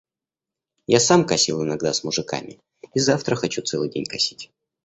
Я сам косил иногда с мужиками и завтра хочу целый день косить.